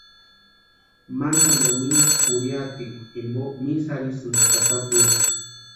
Mantani domingu jurhiatikwa jimpo misa arhisïnti tata kura.